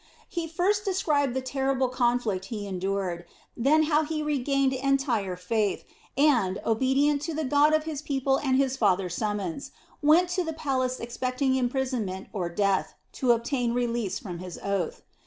He first described the terrible conflict he endured, then how he regained entire faith and, obedient to the God of his people and his father's summons, went to the palace expecting imprisonment or death, to obtain release from his oath.